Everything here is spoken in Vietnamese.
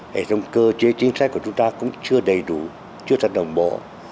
hệ thống cơ chế chính sách của chúng ta cũng chưa đầy đủ chưa thật đồng bộ